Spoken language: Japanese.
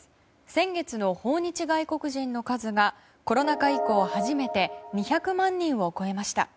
先月の訪日外国人の数がコロナ禍以降初めて２００万人を超えました。